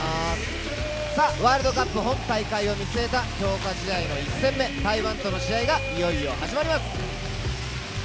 ワールドカップ本大会を見据えた強化試合の１戦目、台湾との試合がいよいよ始まります。